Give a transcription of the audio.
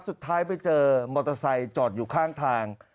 สุดท้ายไปเจอมอเตอร์ไซค์จอดอยู่ข้างทาง